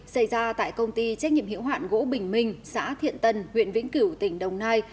xảy ra tại công ty trách nhiệm hiệu hoạn gỗ bình minh xã thiện tân huyện vĩnh cửu tỉnh đồng nai